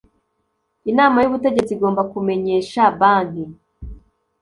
Inama y Ubutegetsi igomba kumenyesha Banki